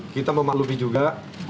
kita memaklumi juga